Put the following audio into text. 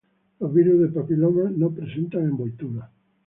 Los virus del papiloma no presentan envoltura.